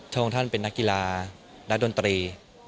พระองค์ท่านเป็นนักกีฬานักดนตรี